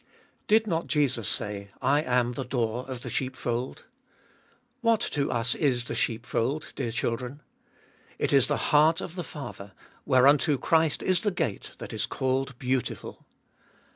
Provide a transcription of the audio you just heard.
2. "Did not Jesus say, 'I am the door of the sheepfold '? What to us is the sheopfold, dear children ? It is the heart of the Father, whereunto Christ is the gate that is called Beautiful.